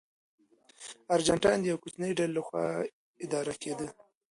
ارجنټاین د یوې کوچنۍ ډلې لخوا اداره کېده.